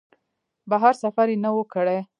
بهر سفر یې نه و کړی.